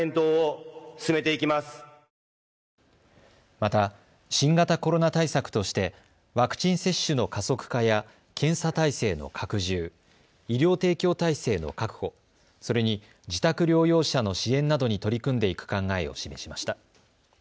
また、新型コロナ対策としてワクチン接種の加速化や検査体制の拡充、医療提供体制の確保、それに自宅療養者の支援などに取り組んでいく考えを示しました。